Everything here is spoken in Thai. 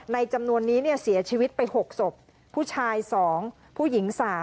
จำนวนนี้เสียชีวิตไป๖ศพผู้ชาย๒ผู้หญิง๓